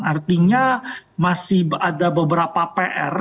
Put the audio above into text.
artinya masih ada beberapa pr